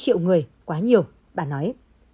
hai mươi triệu người quá nhiều bà nói